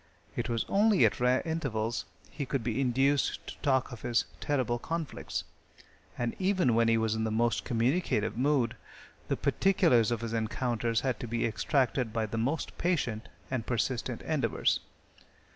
It was only at rare intervals he could be induced to talk of his terrible conflicts, and even when he was in the most communicative mood, the particulars of his encounters had to be extracted by the most patient and persistent endeavors.